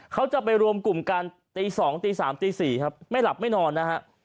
เขาจะไปรวมกลุ่มกันตี๒ตี๓ตี๔ครับไม่หลับไม่นอนนะฮะ